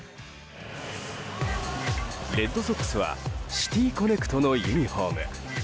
レッドソックスはシティ・コネクトのユニホーム。